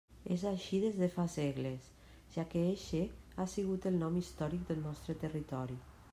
És així des de fa segles, ja que eixe ha sigut el nom d'històric del nostre territori.